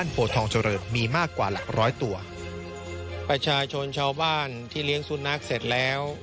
ประชาชนชาวบ้านที่เลี้ยงสุนัขเสร็จแล้ว